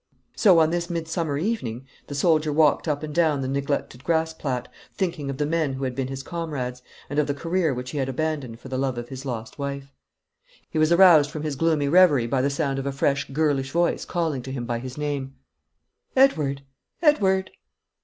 So, on this midsummer evening, the soldier walked up and down the neglected grass plat, thinking of the men who had been his comrades, and of the career which he had abandoned for the love of his lost wife. He was aroused from his gloomy reverie by the sound of a fresh girlish voice calling to him by his name. "Edward! Edward!"